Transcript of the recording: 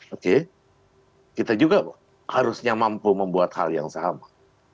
oke kita juga harusnya mampu membuat hal yang sama